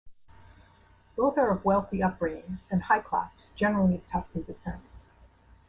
Both are of wealthy upbringings and high class, generally of Tuscan descent.